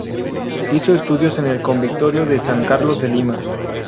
Hizo estudios en el Convictorio de San Carlos de Lima.